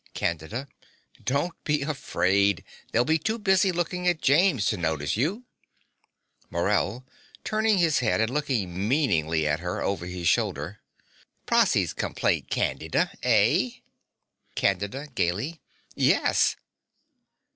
CANDIDA. Don't be afraid. They'll be too busy looking at James to notice you. MORELL (turning his head and looking meaningly at her over his shoulder). Prossy's complaint, Candida! Eh? CANDIDA (gaily). Yes.